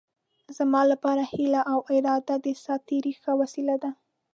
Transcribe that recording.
زما لپاره هیلې او ارادې د ساعت تېرۍ ښه وسیله ده.